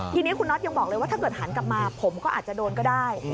ทีนี้คุณน็อตยังบอกเลยว่าถ้าเกิดหันกลับมาผมก็อาจจะโดนก็ได้